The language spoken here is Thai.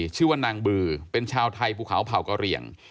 ชื่อว่านางบือเป็นชาวไทยภูเขาเผ่ากะเหลี่ยง